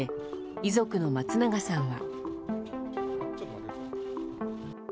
遺族の松永さんは。